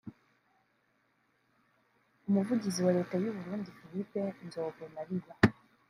umuvugizi wa Leta y’u Burundi Philippe Nzobonariba